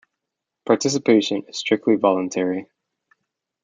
Participation is strictly voluntary.